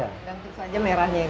ganti saja merahnya itu